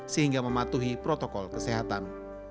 sehingga mematuhi protokol kesehatan